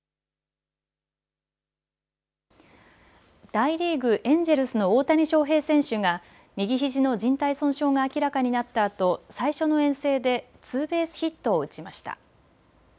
大リーグ、エンジェルスの大谷翔平選手が右ひじのじん帯損傷が明らかになったあと最初の遠征でツーベースヒットを打ちました。